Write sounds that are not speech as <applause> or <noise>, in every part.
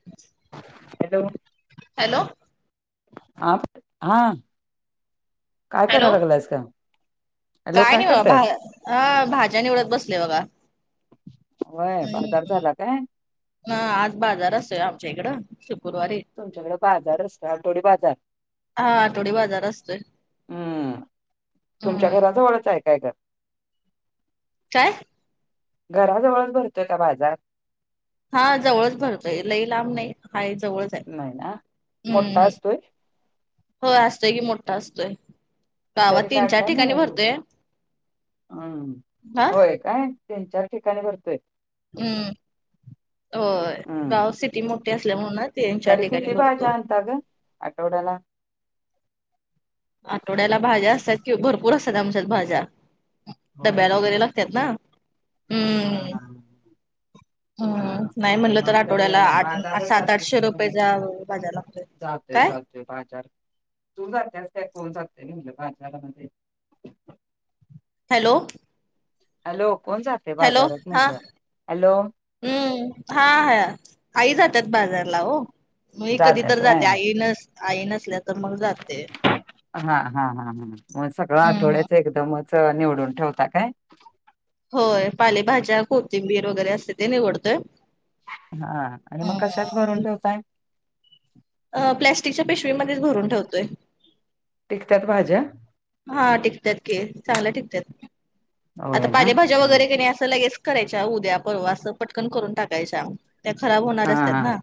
<inaudible> Hello hello आप हा काय हॅलो करायला लागलायस का हॅलो काय नाही बगा करतायस भा आ भाज्या निवडत बसलोय बघा होय पडदार झाला काय हा आज बाजार असतोय आमच्या इकडं शुकुरवारी तुमच्याकडे बाजार असत आठवडी बाजार हा आठवडी बाजार असतोय हम्म तुमच्या हम्म घरा जवळच आहे काय घर काय घराजवळच भरतोय का बाजार हा जवळच भरतोय लय लांब नाही हाय जवळच नाही ना हम्म मोठा हम्म असतोय हो असतय कि मोठा असतोय गावात तरी तीन काय चार काय ठिकाणी मिळेल भरतोय हम्म हा होय काय तीन चार ठिकाणी भरतोय हम्म होय हम्म गाव सिटी मोठी असल्या म्हणूनच तरी किती भाज्या आणता ग आठवड्याला आठवड्याला भाज्या असतात किं भरपूर असतात आमच्यात भाज्या होय डब्याला वगैरे लागतात ना हा हा हम् हम्म हा नाही आणि म्हटलं मग तर तरी आठवड्याला आठ बाजारात सात आठशे रुपये चा बाजार लागतोय चालतय काय चाल ते बाजार तू जा त्यास काय कोण जातय म्हणलं बाजारामध्ये हॅलो हॅलो कोण जात हॅलो हा हम्म हा हा आई जात्यात बाजारला ओ मी कधी तर जातात व्हय जात्या आई नस आई नसल्या तर मग जाते हा हा हा ह मग सगळं हम्म आठवड्याच एकदमच निवडून ठेवता काय होय पालेभाज्या कोथिंबीर वगैरे असते ते निवडतोय हा आणि मग कशात भरून हम्म. ठेवताय अ प्लस्टिकच्या पिशवीमध्ये च भरून ठेवतोय टिकत्यात भाज्या हा टिकत्यात की चांगल्या टिकतात आता होय ना पालेभाज्या हं. वगैरे क नाही असं लगेच करायच्या उद्या परवा असं पटकन करून टाकायच्या त्या खराब होणाऱ्या असतात ना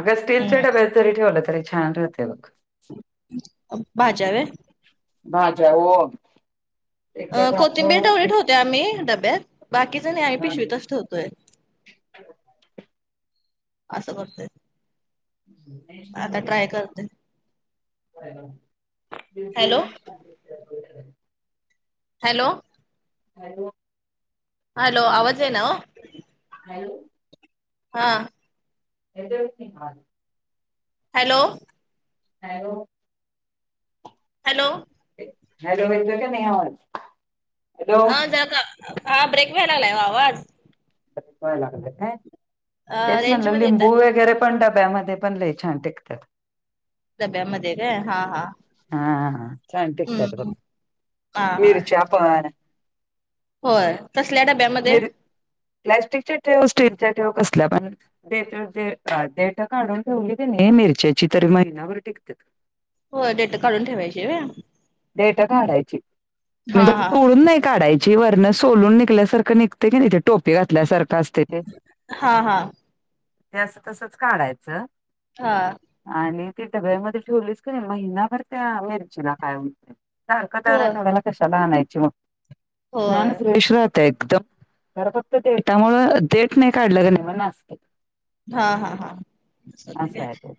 अग हम्म स्टीलच्या डब्यात जरी ठेवलं तरी छान राहत्या बघ भाज्या होय भाज्या ओ अ कोथिंबीर तेवढी एक ठेवतोय आम्ही डब्यात बाकीच नाही आम्ही हा पिशवीतच ठेवतोय नाही असं करतोय आता ट्राय करते <inaudible> हॅलो <unintelligible> हॅलो हॅलो हॅलो आवाज येईना ओ हॅलो हा एद नाही हल हॅलो हो हॅलो हरबत का नाहीहा हा ज हा ब्रेक वेलाला आवाज लाग अ तेच रेंज म्हणलं मध्ये येताय लिंबू वगैरे पण डब्यामध्ये पण लई छान टिकतात डब्यामध्ये काय हा हा हा छान टिकतयात बघ हम्म हा हा मीर प होय कसल्या डब्यामध्ये प्लाॅस्टिकच्या ठेव स्टीलच्या ठेव कसल्या पण दे देट काढून ठेवली त नाही मिरच्याची तरी महिनाभर टिकत हो डेट काढून ठेवायची व डेट काढायची हा म्हणजे आ हा तोडून नाही काढायची ची वर्ण सोलून निघल्यासारखं निघते की नाही तेे टोपे घातल्यासारखं असते ते हां हां ते असं तसच काढायचं हा आणि ती डब्यामध्ये ठेवलीच का नाही महिनाभर त्या मेरेजला काय हो होय हतला का शलानयच म होय एकदमर फक्त डेटामु डेट नाही काढलं का नाहीत हा हा हा असं आहे तो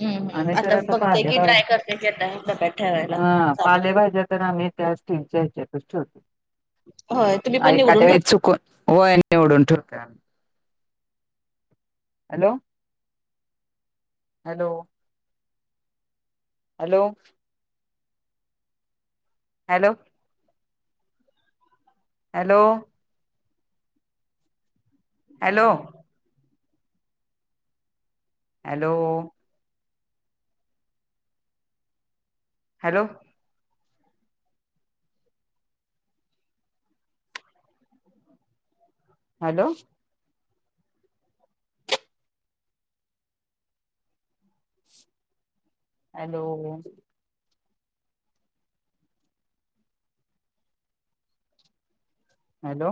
हम्म आम्ही हम तर आता बघतेय की ट्राय पालेभाज्या करते क लपत ठेवायला चालू ज्या तर आम्ही त्या स्टीलच्या हच्यात ठेवतो होय तुम्ही आ पण का निवडून ठेव चुकून होय निवडून ठेक hello hello hello hello hello hello hello hello hello hello hello